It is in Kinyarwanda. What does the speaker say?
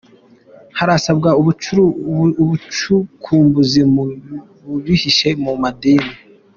Harasabwa ubucukumbuzi mu bihishe mu madini